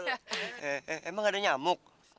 eh emang ada nyamuk